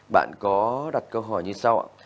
bạn có đặt câu hỏi như sau ạ